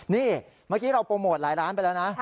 นี่เมื่อกี้เราโปรโมทหลายร้านไปแล้วนะ